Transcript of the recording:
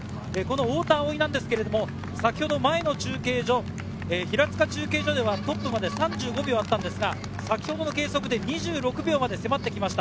太田蒼生は先ほど前の中継所、平塚中継所ではトップまで３５秒ありましたが、先ほどの計測で２６秒まで迫ってきました。